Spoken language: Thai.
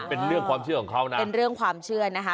เป็นเรื่องความเชื่อของเขานะเป็นเรื่องความเชื่อนะคะ